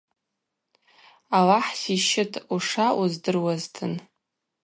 Аллахӏ сищытӏ ушаъу здыруазтын.